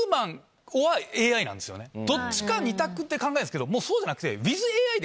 どっちか２択って考えるけどそうじゃなくて。